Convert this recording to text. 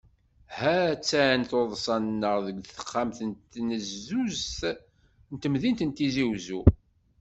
Ha-tt-an tuddsa-nneɣ deg texxam n tnezuzt n temdint n Tizi Uzzu.